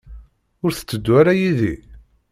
Ur tetteddu ara yid-i?